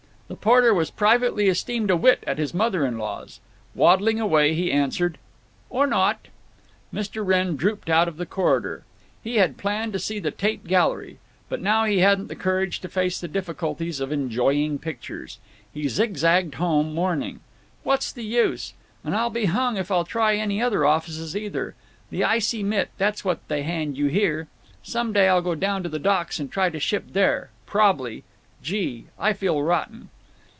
The porter was privately esteemed a wit at his motherin law's. Waddling away, he answered, "Or not." Mr. Wrenn drooped out of the corridor. He had planned to see the Tate Gallery, but now he hadn't the courage to face the difficulties of enjoying pictures. He zig zagged home, mourning: "What's the use. And I'll be hung if I'll try any other offices, either. The icy mitt, that's what they hand you here. Some day I'll go down to the docks and try to ship there. Prob'ly. Gee! I feel rotten!"